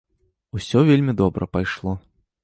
Усё вельмі добра пайшло.